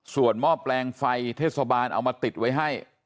ส่วนหม้อแปลงไฟเทศบาลเอามาติดไว้ให้